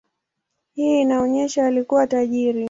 Hii inaonyesha alikuwa tajiri.